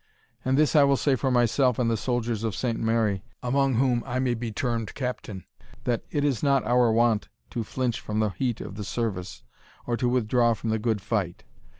And this I will say for myself and the soldiers of Saint Mary, among whom I may be termed captain, that it is not our wont to flinch from the heat of the service, or to withdraw from the good fight.